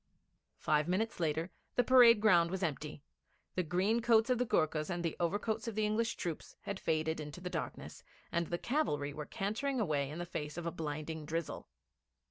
Five minutes later the parade ground was empty; the green coats of the Goorkhas and the overcoats of the English troops had faded into the darkness, and the cavalry were cantering away in the face of a blinding drizzle.